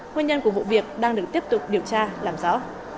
nguyên nhân của vụ việc đang được tiếp tục điều tra làm rõ